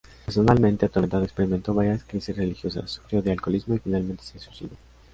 Personalmente atormentado, experimentó varias crisis religiosas, sufrió de alcoholismo y finalmente se suicidó.